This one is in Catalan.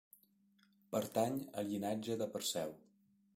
Pertany al llinatge de Perseu.